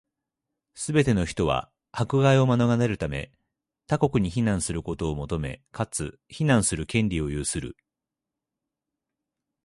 すべて人は、迫害を免れるため、他国に避難することを求め、かつ、避難する権利を有する。